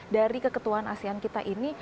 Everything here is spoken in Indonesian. dari keketuaan asean kita ini